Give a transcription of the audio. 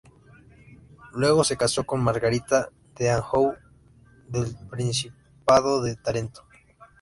Luego se casó con Margarita de Anjou del principado de Tarento.